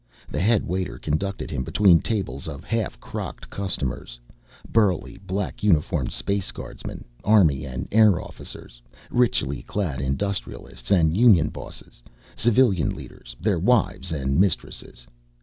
The headwaiter conducted him between tables of half crocked customers burly black uniformed Space Guardsmen, army and air officers, richly clad industrialists and union bosses, civilian leaders, their wives and mistresses.